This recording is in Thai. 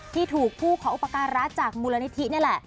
ที่ถูกผู้ขออุปการะจากมูลนิธินี่แหละ